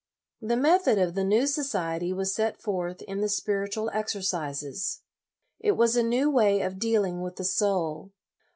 The method of the new society was set forth in the Spiritual Exercises. It was a new way of dealing with the soul.